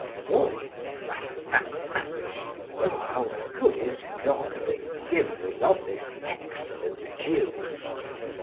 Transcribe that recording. So! crack, crack, crack. O how good is God, that gives us of this excellent juice!